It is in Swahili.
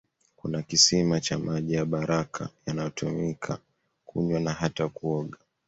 Kuna kisima cha maji ya baraka yanayotumika kunywa na hata kuoga